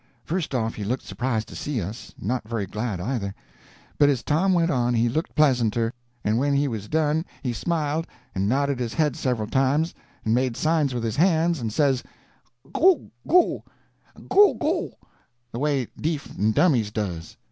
First off he looked surprised to see us, and not very glad, either; but as Tom went on he looked pleasanter, and when he was done he smiled, and nodded his head several times, and made signs with his hands, and says: [Illustration: Goo goo—goo goo] "Goo goo—goo goo," the way deef and dummies does.